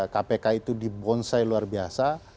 kpk itu dibonsai luar biasa